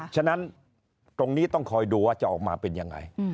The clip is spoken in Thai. ฉะนั้นตรงนี้ต้องคอยดูว่าจะออกมาเป็นยังไง